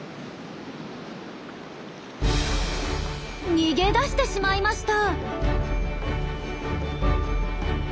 逃げ出してしまいました。